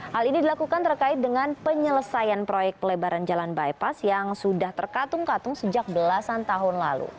hal ini dilakukan terkait dengan penyelesaian proyek pelebaran jalan bypass yang sudah terkatung katung sejak belasan tahun lalu